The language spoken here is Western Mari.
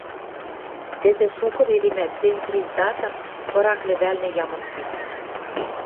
тӹдӹ шукы веремӓ Центриздатын пырак лӹвӓлнӹ ямын киш.